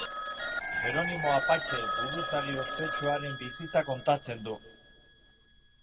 Jeronimo apatxe buruzagi ospetsuaren bizitza kontatzen du.